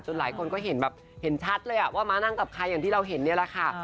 หลายคนก็เห็นแบบเห็นชัดเลยว่ามานั่งกับใครอย่างที่เราเห็นนี่แหละค่ะ